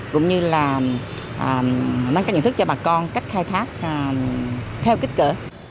cũng như là mang các nhận thức cho bà con cách khai thác theo kích cỡ